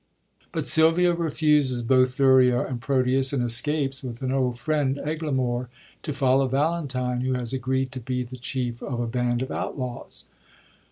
But Sylvia refuses both Thurio and Proteus, and escapes with an old friend, Eglamour, to follow Valentine, who has agreed to be the chief of a band of outlaws.